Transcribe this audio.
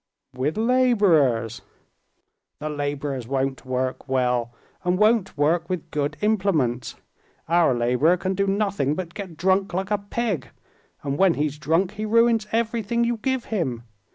"With laborers." "The laborers won't work well, and won't work with good implements. Our laborer can do nothing but get drunk like a pig, and when he's drunk he ruins everything you give him.